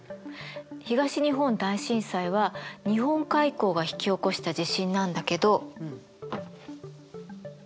東日本大震災は日本海溝が引き起こした地震なんだけど。